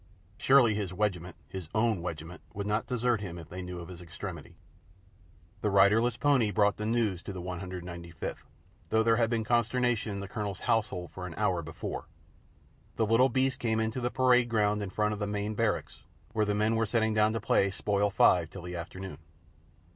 Surely his "wegiment," his own "wegiment," would not desert him if they knew of his extremity. The riderless pony brought the news to the 195th, though there had been consternation in the Colonel's household for an hour before. The little beast came in through the parade ground in front of the main barracks, where the men were settling down to play Spoil five till the afternoon.